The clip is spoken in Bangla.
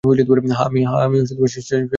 হ্যাঁ, আমি সেটা মানব না।